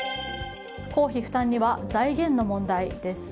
公費負担には財源の問題です。